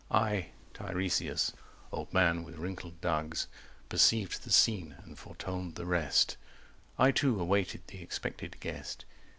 I Tiresias, old man with wrinkled dugs Perceived the scene, and foretold the rest— I too awaited the expected guest.